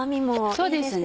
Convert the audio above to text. そうですね。